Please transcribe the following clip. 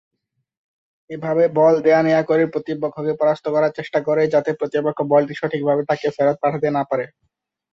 এভাবে বল দেয়া-নেয়া করে প্রতিপক্ষকে পরাস্ত করার চেষ্টা করে যাতে প্রতিপক্ষ বলটি সঠিক ভাবে তাকে ফেরত পাঠাতে না পারে।